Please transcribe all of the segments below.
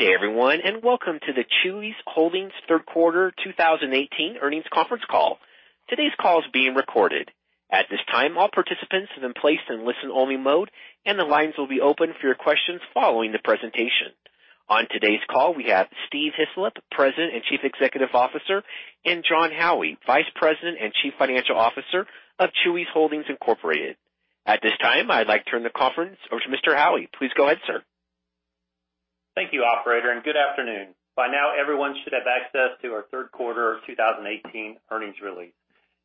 Good day, everyone, and welcome to the Chuy's Holdings third quarter 2018 earnings conference call. Today's call is being recorded. At this time, all participants have been placed in listen-only mode, and the lines will be open for your questions following the presentation. On today's call, we have Steve Hislop, President and Chief Executive Officer, and Jon Howie, Vice President and Chief Financial Officer of Chuy's Holdings, Incorporated. At this time, I'd like to turn the conference over to Mr. Howie. Please go ahead, sir. Thank you, operator. Good afternoon. By now everyone should have access to our third quarter 2018 earnings release.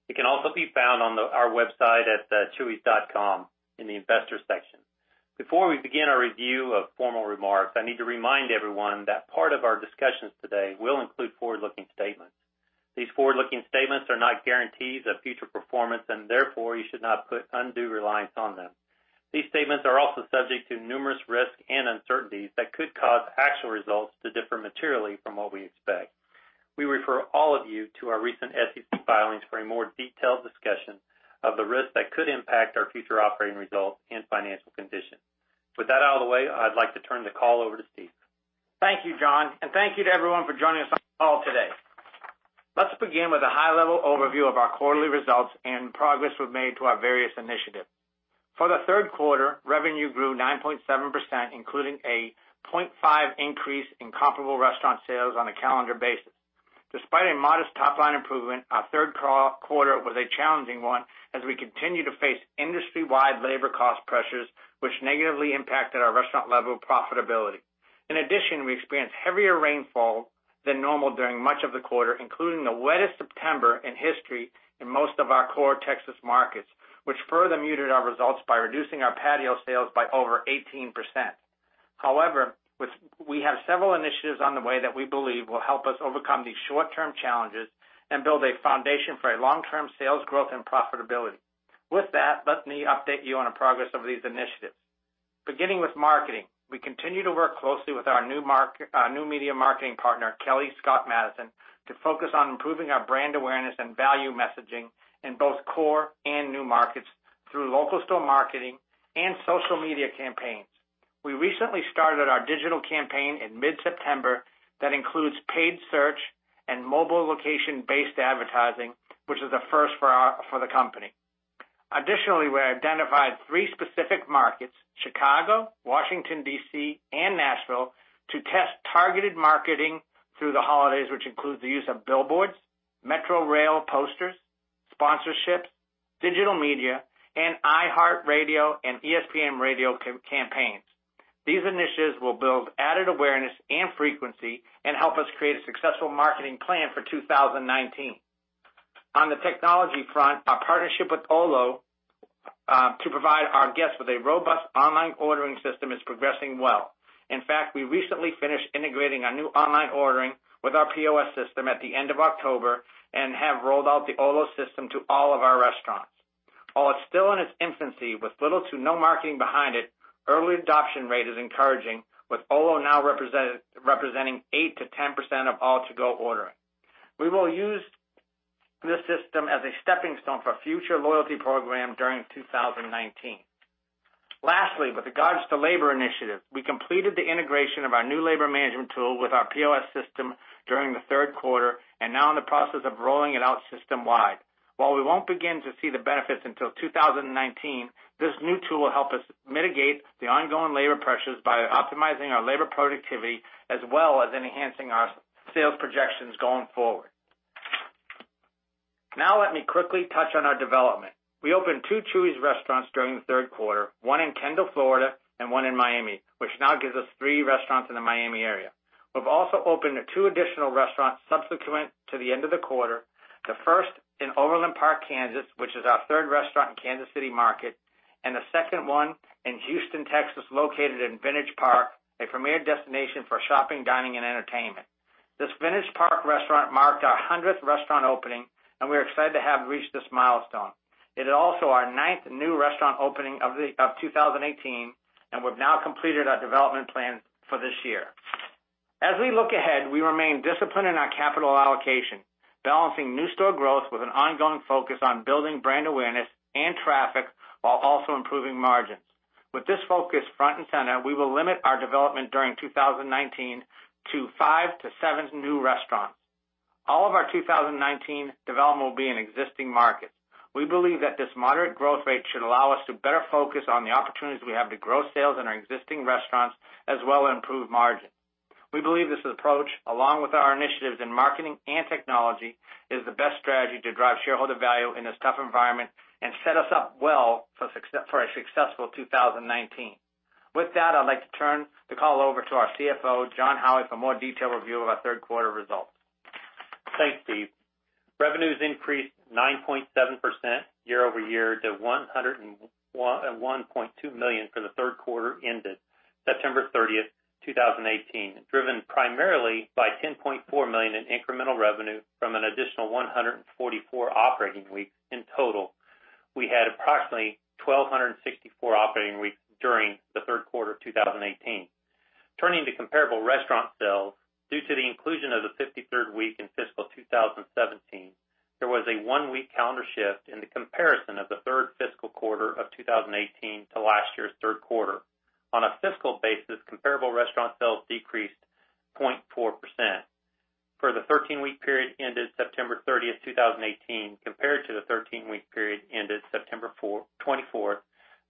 It can also be found on our website at chuys.com in the Investors section. Before we begin our review of formal remarks, I need to remind everyone that part of our discussions today will include forward-looking statements. These forward-looking statements are not guarantees of future performance. Therefore, you should not put undue reliance on them. These statements are also subject to numerous risks and uncertainties that could cause actual results to differ materially from what we expect. We refer all of you to our recent SEC filings for a more detailed discussion of the risks that could impact our future operating results and financial condition. With that out of the way, I'd like to turn the call over to Steve. Thank you, Jon. Thank you to everyone for joining us on the call today. Let's begin with a high-level overview of our quarterly results and progress we've made to our various initiatives. For the third quarter, revenue grew 9.7%, including a 0.5% increase in comparable restaurant sales on a calendar basis. Despite a modest top-line improvement, our third quarter was a challenging one as we continue to face industry-wide labor cost pressures, which negatively impacted our restaurant-level profitability. We experienced heavier rainfall than normal during much of the quarter, including the wettest September in history in most of our core Texas markets, which further muted our results by reducing our patio sales by over 18%. We have several initiatives on the way that we believe will help us overcome these short-term challenges and build a foundation for long-term sales growth and profitability. With that, let me update you on the progress of these initiatives. Beginning with marketing, we continue to work closely with our new media marketing partner, Kelly Scott Madison, to focus on improving our brand awareness and value messaging in both core and new markets through local store marketing and social media campaigns. We recently started our digital campaign in mid-September that includes paid search and mobile location-based advertising, which is a first for the company. We identified three specific markets, Chicago, Washington, D.C., and Nashville, to test targeted marketing through the holidays, which includes the use of billboards, metro rail posters, sponsorships, digital media, and iHeartRadio and ESPN Radio campaigns. These initiatives will build added awareness and frequency and help us create a successful marketing plan for 2019. On the technology front, our partnership with Olo, to provide our guests with a robust online ordering system, is progressing well. In fact, we recently finished integrating our new online ordering with our POS system at the end of October and have rolled out the Olo system to all of our restaurants. While it's still in its infancy with little to no marketing behind it, early adoption rate is encouraging, with Olo now representing 8%-10% of all to-go ordering. We will use this system as a stepping stone for future loyalty program during 2019. Lastly, with regards to labor initiative, we completed the integration of our new labor management tool with our POS system during the third quarter and now in the process of rolling it out system-wide. While we won't begin to see the benefits until 2019, this new tool will help us mitigate the ongoing labor pressures by optimizing our labor productivity as well as enhancing our sales projections going forward. Let me quickly touch on our development. We opened two Chuy's restaurants during the third quarter, one in Kendall, Florida, and one in Miami, which now gives us three restaurants in the Miami area. We've also opened two additional restaurants subsequent to the end of the quarter. The first in Overland Park, Kansas, which is our third restaurant in Kansas City market, and the second one in Houston, Texas, located in Vintage Park, a premier destination for shopping, dining, and entertainment. This Vintage Park restaurant marked our 100th restaurant opening, and we're excited to have reached this milestone. It is also our ninth new restaurant opening of 2018, and we've now completed our development plan for this year. As we look ahead, we remain disciplined in our capital allocation, balancing new store growth with an ongoing focus on building brand awareness and traffic while also improving margins. With this focus front and center, we will limit our development during 2019 to five to seven new restaurants. All of our 2019 development will be in existing markets. We believe that this moderate growth rate should allow us to better focus on the opportunities we have to grow sales in our existing restaurants as well as improve margin. We believe this approach, along with our initiatives in marketing and technology, is the best strategy to drive shareholder value in this tough environment and set us up well for a successful 2019. With that, I'd like to turn the call over to our CFO, Jon Howie, for a more detailed review of our third quarter results. Thanks, Steve. Revenues increased 9.7% year-over-year to $101.2 million for the third quarter ended September 30th, 2018, driven primarily by $10.4 million in incremental revenue from an additional 144 operating weeks in total. We had approximately 1,264 operating weeks during the third quarter of 2018. Turning to comparable restaurant sales, due to the inclusion of the 53rd week in fiscal 2017. There was a one-week calendar shift in the comparison of the third fiscal quarter of 2018 to last year's third quarter. On a fiscal basis, comparable restaurant sales decreased 0.4% for the 13-week period ended September 30th, 2018, compared to the 13-week period ended September 24th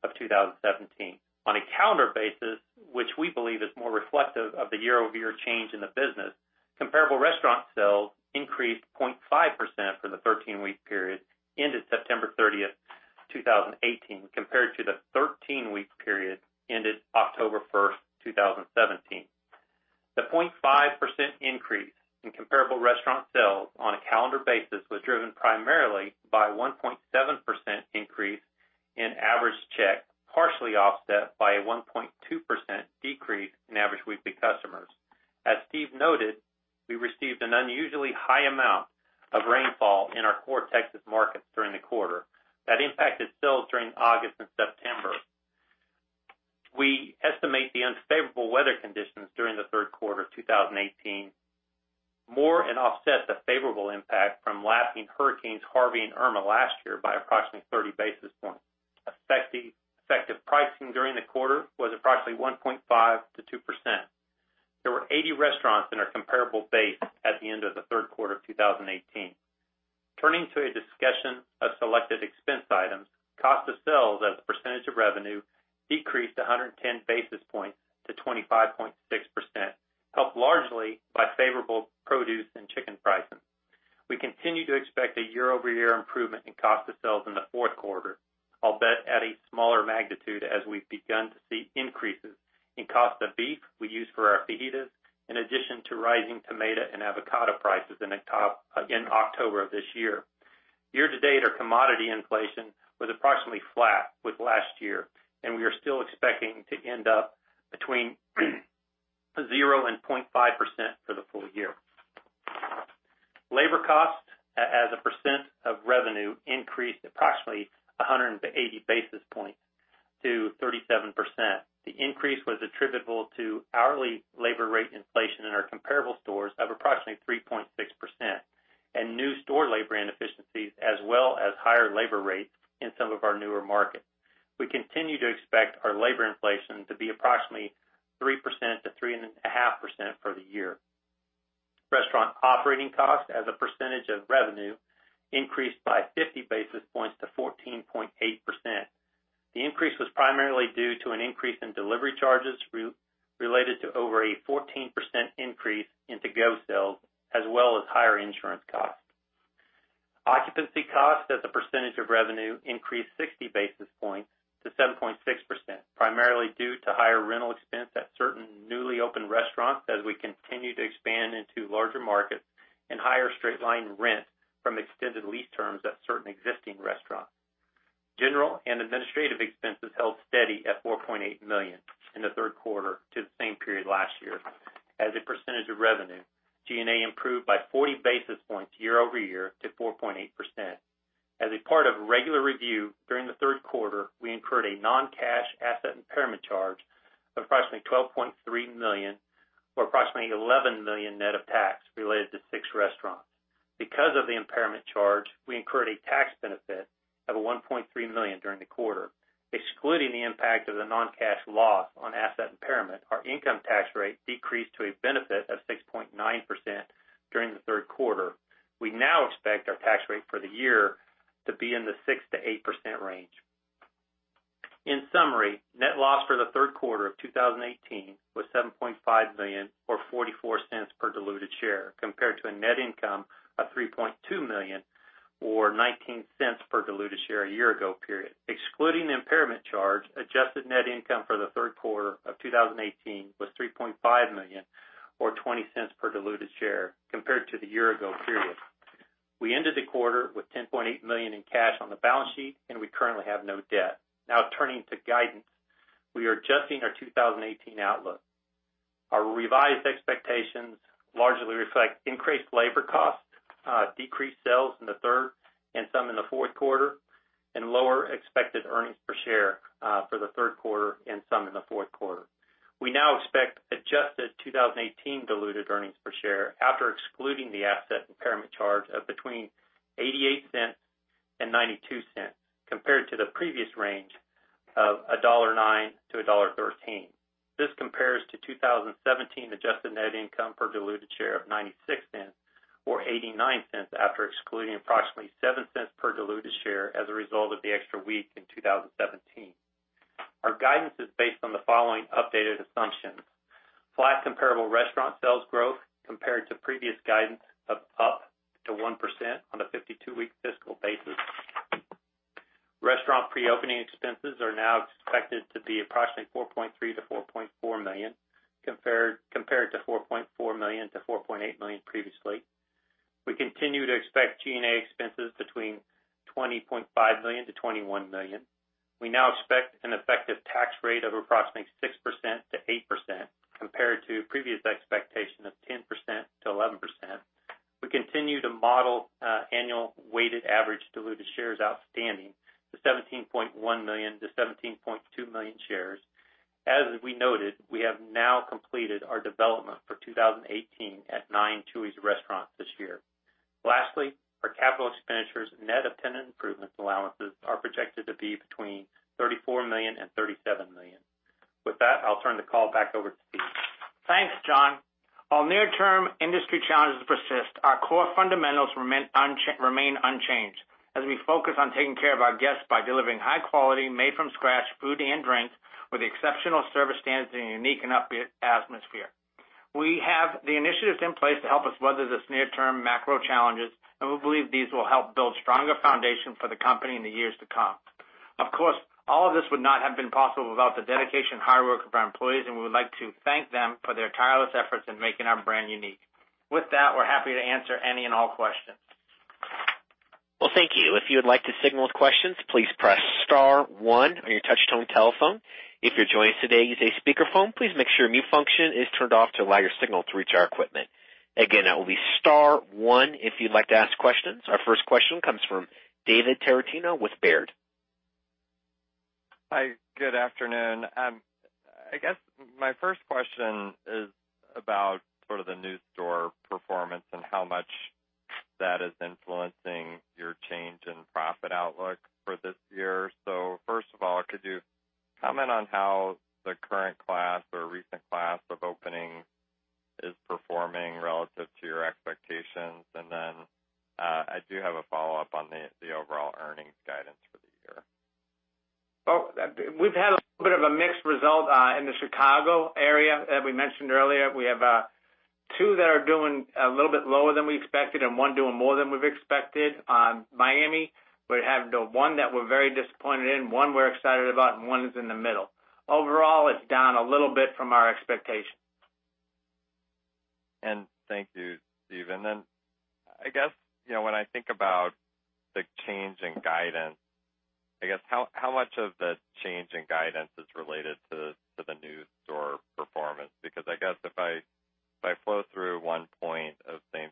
of 2017. On a calendar basis, which we believe is more reflective of the year-over-year change in the business, comparable restaurant sales increased 0.5% for the 13-week period ended September 30th, 2018, compared to the 13-week period ended October 1st, 2017. The 0.5% increase in comparable restaurant sales on a calendar basis was driven primarily by 1.7% increase in average check, partially offset by a 1.2% decrease in average weekly customers. As Steve noted, we received an unusually high amount of rainfall in our core Texas markets during the quarter. That impacted sales during August and September. We estimate the unfavorable weather conditions during the third quarter of 2018 more than offset the favorable impact from lapping Hurricane Harvey and Hurricane Irma last year by approximately 30 basis points. Effective pricing during the quarter was approximately 1.5%-2%. There were 80 restaurants in our comparable base at the end of the third quarter of 2018. Turning to a discussion of selected expense items, cost of sales as a percentage of revenue decreased 110 basis points to 25.6%, helped largely by favorable produce and chicken pricing. We continue to expect a year-over-year improvement in cost of sales in the fourth quarter, albeit at a smaller magnitude as we've begun to see increases in cost of beef we use for our fajitas, in addition to rising tomato and avocado prices in October of this year. Year to date, our commodity inflation was approximately flat with last year. We are still expecting to end up between 0%-0.5% for the full year. Labor cost as a percentage of revenue increased approximately 180 basis points to 37%. The increase was attributable to hourly labor rate inflation in our comparable stores of approximately 3.6%. New store labor inefficiencies as well as higher labor rates in some of our newer markets. We continue to expect our labor inflation to be approximately 3%-3.5% for the year. Restaurant operating costs as a percentage of revenue increased by 50 basis points to 14.8%. The increase was primarily due to an increase in delivery charges related to over a 14% increase in to-go sales, as well as higher insurance costs. Occupancy costs as a percentage of revenue increased 60 basis points to 7.6%, primarily due to higher rental expense at certain newly opened restaurants as we continue to expand into larger markets. Higher straight-line rent from extended lease terms at certain existing restaurants. General and Administrative expenses held steady at $4.8 million in the third quarter to the same period last year. As a percentage of revenue, G&A improved by 40 basis points year-over-year to 4.8%. As a part of regular review during the third quarter, we incurred a non-cash asset impairment charge of approximately $12.3 million, or approximately $11 million net of tax, related to six restaurants. Because of the impairment charge, we incurred a tax benefit of $1.3 million during the quarter. Excluding the impact of the non-cash loss on asset impairment, our income tax rate decreased to a benefit of 6.9% during the third quarter. We now expect our tax rate for the year to be in the 6%-8% range. In summary, net loss for the third quarter of 2018 was $7.5 million, or $0.44 per diluted share, compared to a net income of $3.2 million, or $0.19 per diluted share a year ago period. Excluding the impairment charge, adjusted net income for the third quarter of 2018 was $3.5 million, or $0.20 per diluted share, compared to the year ago period. We ended the quarter with $10.8 million in cash on the balance sheet, and we currently have no debt. Now turning to guidance. We are adjusting our 2018 outlook. Our revised expectations largely reflect increased labor costs, decreased sales in the third and some in the fourth quarter, and lower expected earnings per share for the third quarter and some in the fourth quarter. We now expect adjusted 2018 diluted earnings per share after excluding the asset impairment charge of between $0.88 and $0.92, compared to the previous range of $1.09-$1.13. This compares to 2017 adjusted net income per diluted share of $0.96, or $0.89 after excluding approximately $0.07 per diluted share as a result of the extra week in 2017. Our guidance is based on the following updated assumptions. Flat comparable restaurant sales growth compared to previous guidance of up to 1% on a 52-week fiscal basis. Restaurant pre-opening expenses are now expected to be approximately $4.3 million-$4.4 million, compared to $4.4 million-$4.8 million previously. We continue to expect G&A expenses between $20.5 million-$21 million. We now expect an effective tax rate of approximately 6%-8%, compared to previous expectation of 10%-11%. We continue to model annual weighted average diluted shares outstanding to 17.1 million-17.2 million shares. As we noted, we have now completed our development for 2018 at nine Chuy's restaurants this year. Lastly, our capital expenditures net of tenant improvement allowances are projected to be between $34 million and $37 million. With that, I'll turn the call back over to Steve. Thanks, Jon. While near-term industry challenges persist, our core fundamentals remain unchanged as we focus on taking care of our guests by delivering high quality, made from scratch food and drinks with exceptional service standards in a unique and upbeat atmosphere. We have the initiatives in place to help us weather this near-term macro challenges, we believe these will help build stronger foundation for the company in the years to come. All of this would not have been possible without the dedication and hard work of our employees, we would like to thank them for their tireless efforts in making our brand unique. With that, we're happy to answer any and all questions. Thank you. If you would like to signal with questions, please press star one on your touch tone telephone. If you're joining us today using a speakerphone, please make sure mute function is turned off to allow your signal to reach our equipment. Again, that will be star one if you'd like to ask questions. Our first question comes from David Tarantino with Baird. Hi, good afternoon. I guess my first question is about sort of the new store performance and how much that is influencing your change in profit outlook for this year. First of all, could you comment on how the current class or recent class of opening is performing relative to your expectations? Then, I do have a follow-up on the overall earnings guidance for the year. We've had a little bit of a mixed result in the Chicago area. As we mentioned earlier, we have two that are doing a little bit lower than we expected, one doing more than we've expected. Miami, we have the one that we're very disappointed in, one we're excited about, one is in the middle. Overall, it's down a little bit from our expectations. Thank you, Steve. I guess, when I think about the change in guidance, I guess how much of the change in guidance is related to the new store performance? Because I guess if I flow through one point of same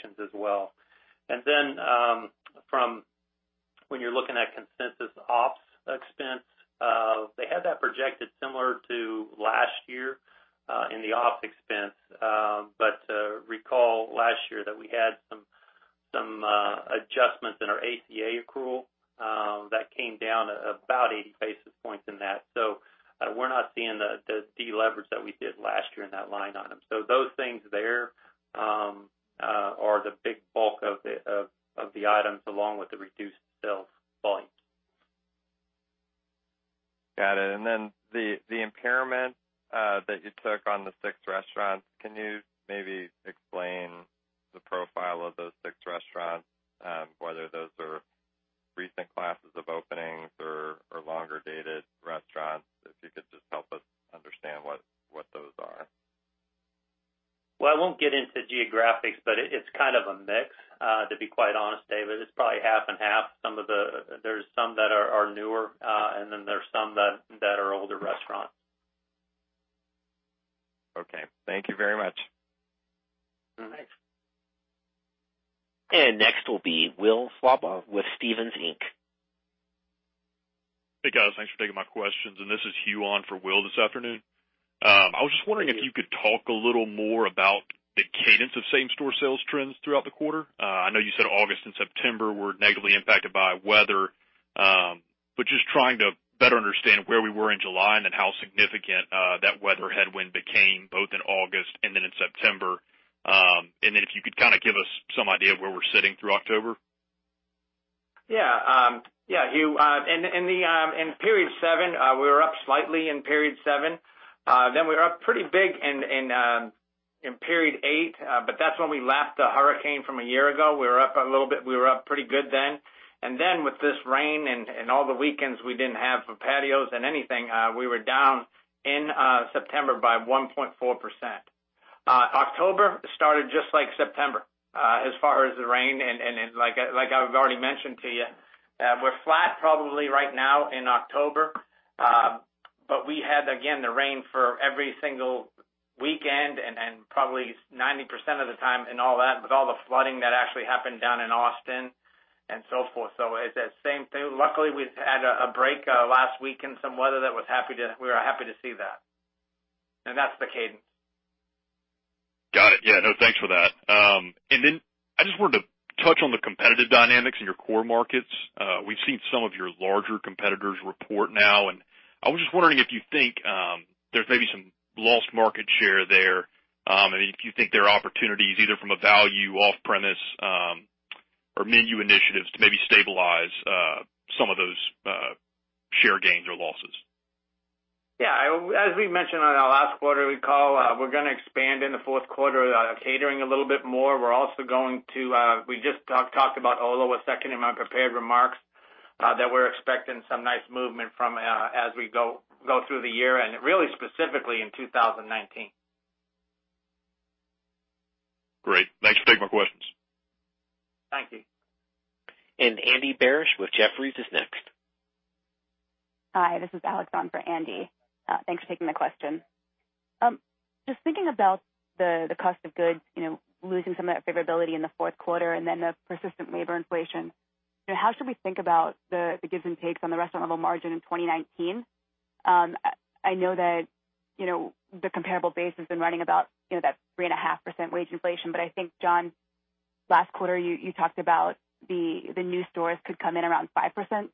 the deleverage, that changed about 70 basis points kind of in our projections as well. From when you're looking at consensus ops expense, they had that projected similar to last year, in the ops expense. But recall last year that we had some adjustments in our ACA accrual. That came down about 80 basis points in that. We're not seeing the deleverage that we did last year in that line item. Those things there are the big bulk of the items along with the reduced sales volumes. Got it. The impairment that you took on the six restaurants, can you maybe explain the profile of those six restaurants, whether those are recent classes of openings or longer dated restaurants? If you could just help us understand what those are. Well, I won't get into geographics, but it's kind of a mix, to be quite honest, David. It's probably half and half. There's some that are newer, and then there's some that are older restaurants. Okay. Thank you very much. Thanks. Next will be Will Slabaugh with Stephens Inc. Hey, guys. Thanks for taking my questions, and this is Hugh on for Will this afternoon. I was just wondering if you could talk a little more about the cadence of same store sales trends throughout the quarter. I know you said August and September were negatively impacted by weather. Just trying to better understand where we were in July and then how significant that weather headwind became both in August and then in September. Then if you could kind of give us some idea of where we're sitting through October. Yeah. Hugh, in period seven, we were up slightly in period seven. We were up pretty big in period eight. That's when we lapped the hurricane from a year ago. We were up a little bit. We were up pretty good then. With this rain and all the weekends we didn't have for patios and anything, we were down in September by 1.4%. October started just like September, as far as the rain and like I've already mentioned to you, we're flat probably right now in October. We had, again, the rain for every single weekend and probably 90% of the time in all that, with all the flooding that actually happened down in Austin and so forth. It's that same thing. Luckily, we had a break last week and some weather, we were happy to see that. That's the cadence. Got it. Yeah, no, thanks for that. I just wanted to touch on the competitive dynamics in your core markets. We've seen some of your larger competitors report now, and I was just wondering if you think there's maybe some lost market share there, and if you think there are opportunities either from a value off-premise or menu initiatives to maybe stabilize some of those share gains or losses. Yeah. As we mentioned on our last quarter, we call, we're going to expand in the fourth quarter, catering a little bit more. We just talked about Olo a second in my prepared remarks, that we're expecting some nice movement from as we go through the year and really specifically in 2019. Great. Thanks. Take my questions. Thank you. Andy Barish with Jefferies is next. Hi, this is Alex on for Andy. Thanks for taking the question. Just thinking about the cost of goods, losing some of that favorability in the fourth quarter and then the persistent labor inflation. How should we think about the gives and takes on the restaurant level margin in 2019? I know that the comparable base has been running about that 3.5% wage inflation, but I think, John, last quarter, you talked about the new stores could come in around 5%.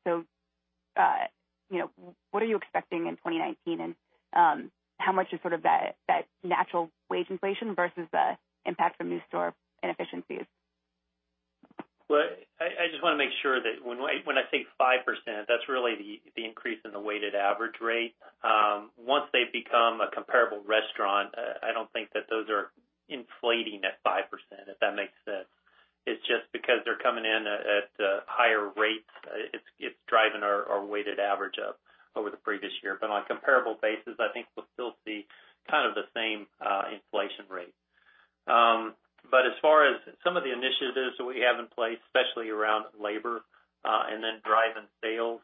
What are you expecting in 2019 and how much is sort of that natural wage inflation versus the impact from new store inefficiencies? I just want to make sure that when I say 5%, that's really the increase in the weighted average rate. Once they become a comparable restaurant, I don't think that those are inflating at 5%, if that makes sense. It's just because they're coming in at higher rates. It's driving our weighted average up over the previous year. On comparable basis, I think we'll still see kind of the same inflation rate. As far as some of the initiatives that we have in place, especially around labor, then driving sales.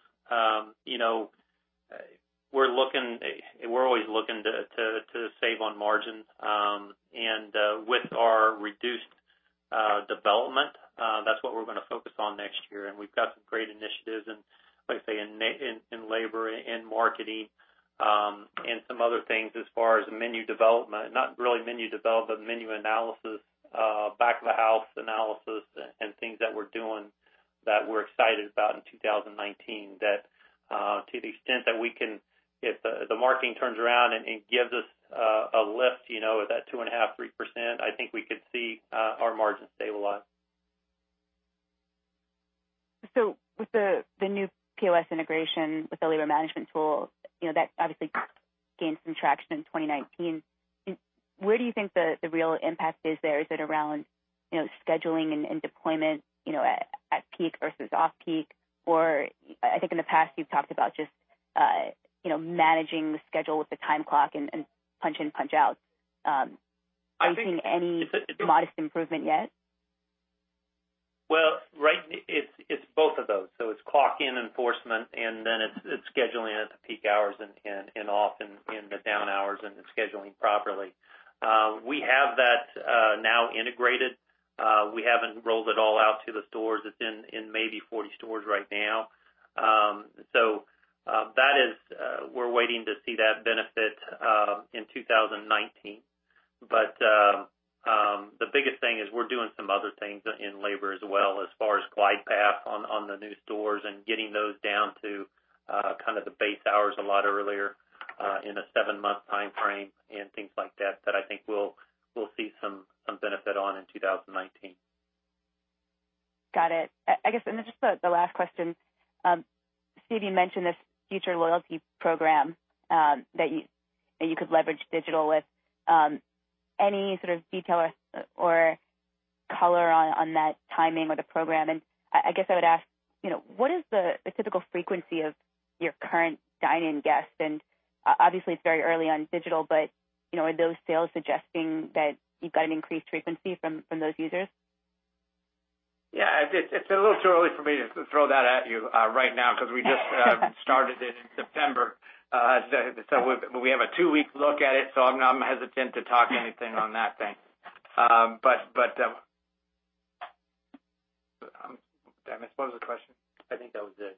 We're always looking to save on margins. With our reduced development, that's what we're going to focus on next year. We've got some great initiatives in, like I say, in labor, in marketing, and some other things as far as menu development, not really menu development, but menu analysis, back of the house analysis and things that we're doing that we're excited about in 2019 that to the extent that if the marketing turns around and gives us a lift, that 2.5%, 3%, I think we could see our margins stabilize. With the new POS integration, with the labor management tool, that obviously gained some traction in 2019. Where do you think the real impact is there? Is it around scheduling and deployment at peak versus off-peak? I think in the past you've talked about just managing the schedule with the time clock and punch in, punch out. I think- Are you seeing any modest improvement yet? Right now it's both of those. It's clock in enforcement and then it's scheduling at the peak hours and off in the down hours and the scheduling properly. We have that now integrated. We haven't rolled it all out to the stores. It's in maybe 40 stores right now. We're waiting to see that benefit in 2019. The biggest thing is we're doing some other things in labor as well, as far as glide path on the new stores and getting those down to kind of the base hours a lot earlier, in a seven-month timeframe and things like that I think we'll see some benefit on in 2019. Got it. Just the last question. Steve, you mentioned this future loyalty program that you could leverage digital with. Any sort of detail or color on that timing or the program? What is the typical frequency of your current dine-in guest? Obviously it's very early on digital, are those sales suggesting that you've got an increased frequency from those users? It's a little too early for me to throw that at you right now because we just started it in September. We have a two-week look at it, so I'm hesitant to talk anything on that thing. Did I miss what was the question? I think that was it.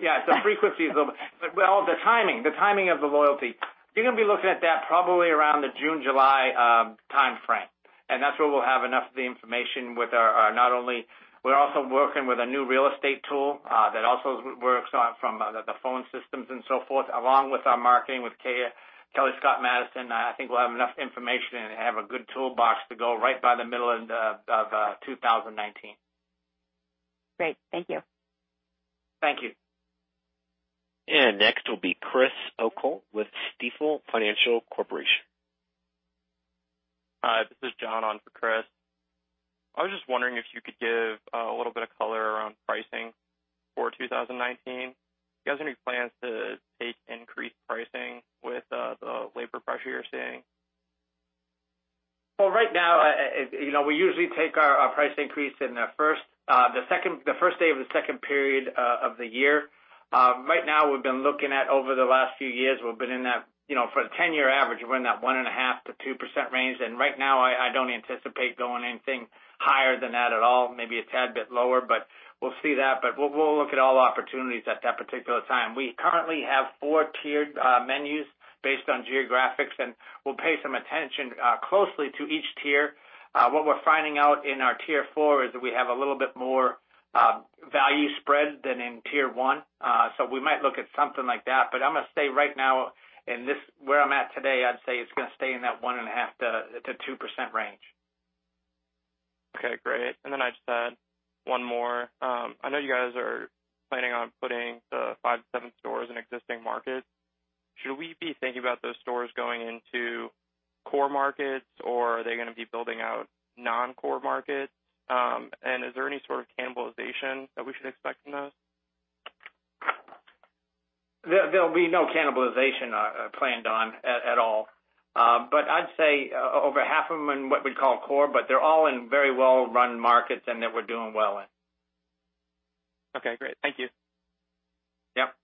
Yeah. Frequency is a little bit. Well, the timing of the loyalty, you're going to be looking at that probably around the June, July timeframe. That's where we'll have enough of the information with our. We're also working with a new real estate tool that also works from the phone systems and so forth, along with our marketing with Kelly Scott Madison. I think we'll have enough information and have a good toolbox to go right by the middle of 2019. Great. Thank you. Thank you. Next will be Chris O'Cull with Stifel Financial Corp.. Hi, this is John on for Chris. Just wondering if you could give a little bit of color around pricing for 2019. Do you guys have any plans to take increased pricing with the labor pressure you're seeing? Right now, we usually take our price increase in the first day of the second period of the year. Right now, we've been looking at over the last few years, for the 10-year average, we're in that 1.5%-2% range. Right now, I don't anticipate going anything higher than that at all. Maybe a tad bit lower, but we'll see that. We'll look at all opportunities at that particular time. We currently have four tiered menus based on geographics, and we'll pay some attention closely to each tier. What we're finding out in our tier 4 is that we have a little bit more value spread than in tier 1. We might look at something like that, but I'm going to say right now, where I'm at today, I'd say it's going to stay in that 1.5%-2% range. Okay, great. I just had one more. I know you guys are planning on putting the five to seven stores in existing markets. Should we be thinking about those stores going into core markets, or are they going to be building out non-core markets? Is there any sort of cannibalization that we should expect from those? There'll be no cannibalization planned on at all. I'd say over half of them in what we'd call core, they're all in very well-run markets and that we're doing well in. Okay, great. Thank you. Yep.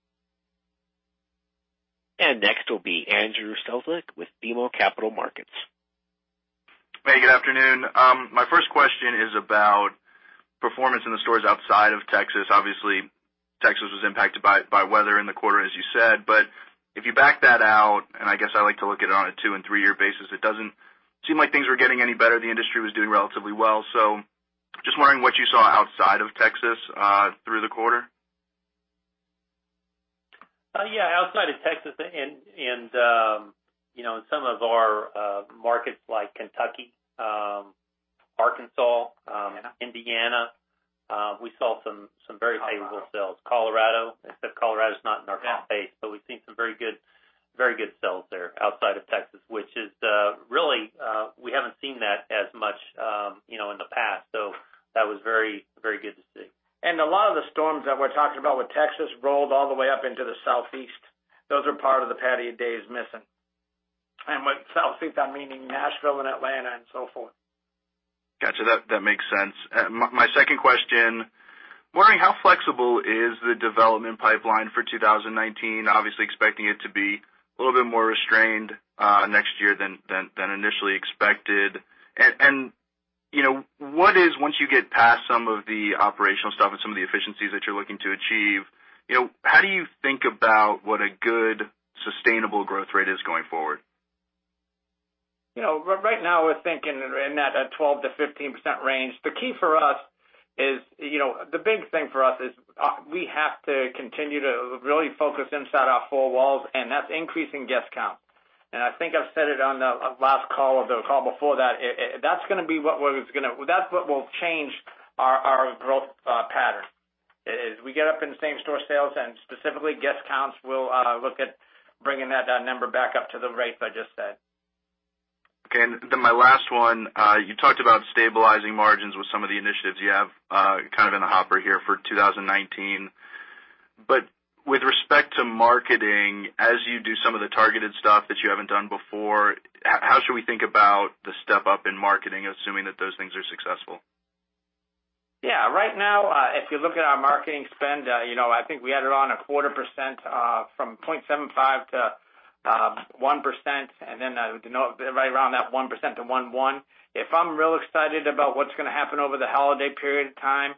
Next will be Andrew Strelzik with BMO Capital Markets. Hey, good afternoon. My first question is about performance in the stores outside of Texas. Obviously, Texas was impacted by weather in the quarter, as you said. If you back that out, I guess I like to look at it on a two and three year basis, it doesn't seem like things were getting any better. The industry was doing relatively well. Just wondering what you saw outside of Texas through the quarter. Yeah, outside of Texas and some of our markets like Kentucky, Arkansas- Indiana Indiana, we saw some very favorable sales. Colorado. Colorado. Colorado is not in our comp base. Yeah. We've seen some very good sales there outside of Texas, which is really, we haven't seen that as much in the past. That was very good to see. A lot of the storms that we're talking about with Texas rolled all the way up into the Southeast. Those are part of the patio days missing. With Southeast, I'm meaning Nashville and Atlanta and so forth. Got you. That makes sense. My second question, wondering how flexible is the development pipeline for 2019? Obviously expecting it to be a little bit more restrained next year than initially expected. Once you get past some of the operational stuff and some of the efficiencies that you're looking to achieve, how do you think about what a good sustainable growth rate is going forward? Right now we're thinking in that 12%-15% range. The big thing for us is we have to continue to really focus inside our four walls, and that's increasing guest count. I think I've said it on the last call or the call before that. That's what will change our growth pattern. As we get up in the same store sales and specifically guest counts, we'll look at bringing that number back up to the rates I just said. Okay. My last one, you talked about stabilizing margins with some of the initiatives you have in the hopper here for 2019. With respect to marketing, as you do some of the targeted stuff that you haven't done before, how should we think about the step up in marketing, assuming that those things are successful? Yeah. Right now, if you look at our marketing spend, I think we had it on a 0.25% from 0.75% to 1%, and then right around that 1% to 1.1%. If I'm real excited about what's going to happen over the holiday period of time,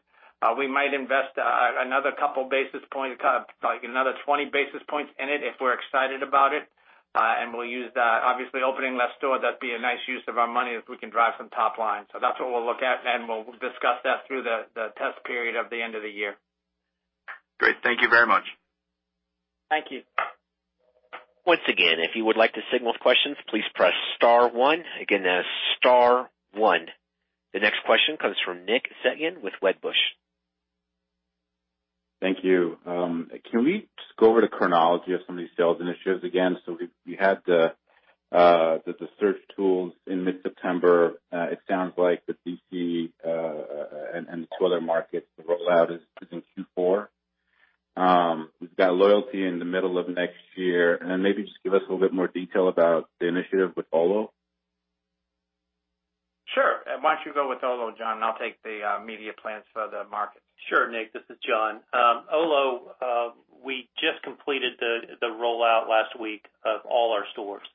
we might invest another 20 basis points in it if we're excited about it. We'll use that. Obviously, opening that store, that'd be a nice use of our money if we can drive some top line. That's what we'll look at, and we'll discuss that through the test period of the end of the year. Great. Thank you very much. Thank you. Once again, if you would like to signal with questions, please press star one. Again, that is star one. The next question comes from Nick Setyan with Wedbush. Thank you. Can we just go over the chronology of some of these sales initiatives again? We had the search tools in mid-September. It sounds like the D.C. and the two other markets, the rollout is in Q4. We've got loyalty in the middle of next year. Maybe just give us a little bit more detail about the initiative with Olo. Sure. Why don't you go with Olo, John, and I'll take the media plans for the markets. Sure, Nick, this is John. Olo, we just completed the rollout last week of all our stores.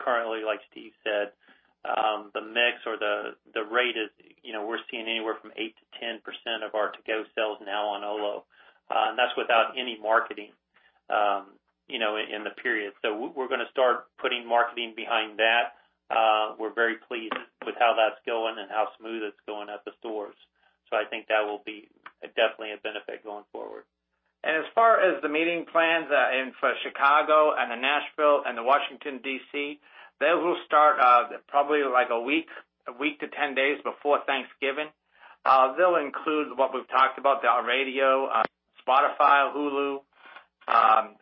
Currently, like Steve said, the mix or the rate is we're seeing anywhere from 8%-10% of our to-go sales now on Olo. That's without any marketing in the period. We're going to start putting marketing behind that. We're very pleased with how that's going and how smooth it's going at the stores. I think that will be definitely a benefit going forward. As far as the meeting plans and for Chicago and the Nashville and the Washington, D.C., they will start probably like a week to 10 days before Thanksgiving. They'll include what we've talked about, our radio, Spotify, Hulu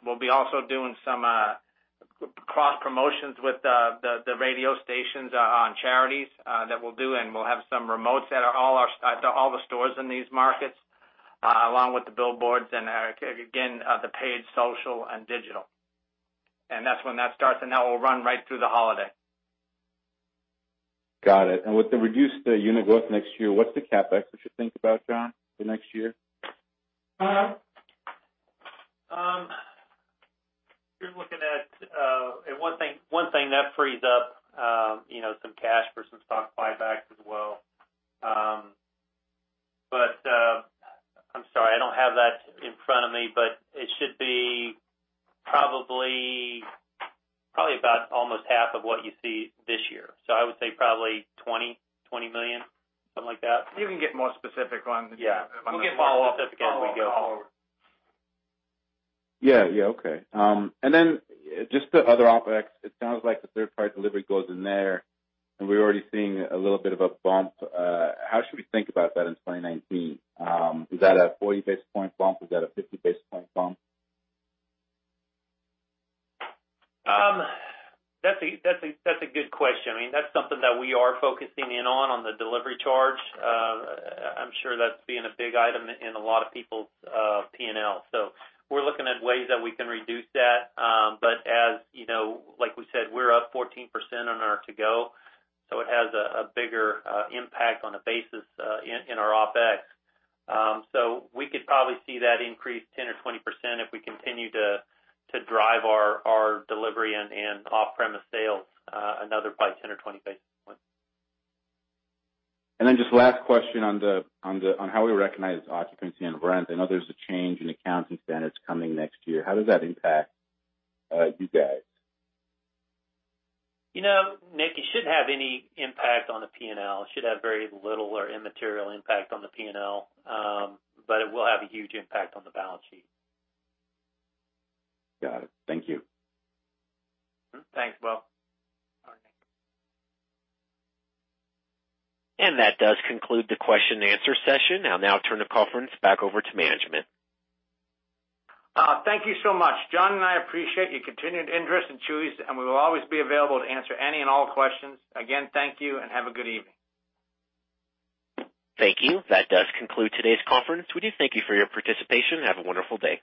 We'll be also doing some cross-promotions with the radio stations on charities that we'll do, and we'll have some remotes at all the stores in these markets, along with the billboards and, again, the paid social and digital. That's when that starts, and that will run right through the holiday. Got it. With the reduced unit growth next year, what's the CapEx we should think about, John, for next year? One thing that frees up some cash for some stock buybacks as well. I'm sorry, I don't have that in front of me, but it should be probably about almost half of what you see this year. I would say probably $20 million, something like that. You can get more specific on the. Yeah. We'll get more specific as we go. Follow up. Yeah. Okay. Then just the other OpEx, it sounds like the third-party delivery goes in there, and we're already seeing a little bit of a bump. How should we think about that in 2019? Is that a 40 basis point bump? Is that a 50 basis point bump? That's a good question. That's something that we are focusing in on the delivery charge. I'm sure that's being a big item in a lot of people's P&L. We're looking at ways that we can reduce that. Like we said, we're up 14% on our to-go, so it has a bigger impact on a basis in our OpEx. We could probably see that increase 10% or 20% if we continue to drive our delivery and off-premise sales another by 10 or 20 basis points. Just last question on how we recognize occupancy and rent. I know there's a change in accounting standards coming next year. How does that impact you guys? Nick, it shouldn't have any impact on the P&L. It should have very little or immaterial impact on the P&L, but it will have a huge impact on the balance sheet. Got it. Thank you. Thanks, Bro. All right, Nick. That does conclude the question and answer session. I'll now turn the conference back over to management. Thank you so much. John and I appreciate your continued interest in Chuy's, and we will always be available to answer any and all questions. Again, thank you and have a good evening. Thank you. That does conclude today's conference. We do thank you for your participation, and have a wonderful day.